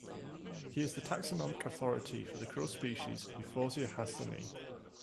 He is the taxonomic authority for the krill species "Euphausia hanseni".